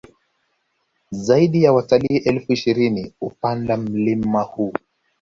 Zaidi ya watalii elfu ishirini hupanda mlima huu